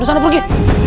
di sana pergi